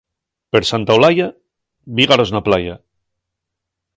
Per Santa Olaya, bígaros na playa.